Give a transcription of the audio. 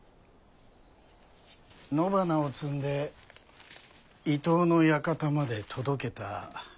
野花を摘んで伊東の館まで届けた八重さん。